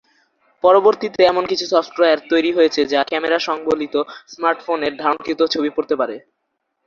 পরবর্তীতে এমন কিছু সফটওয়ার তৈরি হয়েছে যা ক্যামেরা সংবলিত স্মার্টফোনের ধারণকৃত ছবি পড়তে পারে।